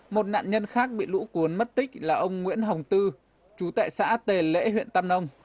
một nạn nhân khác bị lũ cuốn mất tích là ông nguyễn hồng tư chú tệ xã tề lễ huyện tam nông